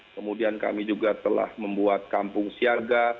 kemudian kami juga telah membuat kampung siaga